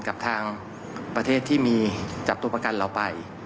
กับทางประเทศที่มีจับตัวประกันเราไป